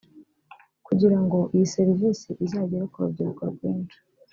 Kugira ngo iyi serivisi izagere ku rubyiruko rwinshi